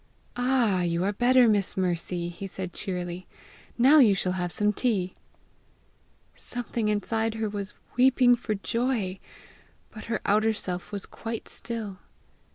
"All, you are better, Miss Mercy!" lie said cheerily. "Now you shall have some tea!" Something inside her was weeping for joy, but her outer self was quite still.